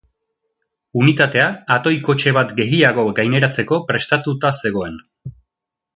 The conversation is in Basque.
Unitatea atoi kotxe bat gehiago gaineratzeko prestatuta zegoen.